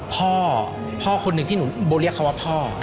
พ่อพ่อคนหนึ่งที่หนูโบเรียกเขาว่าพ่อ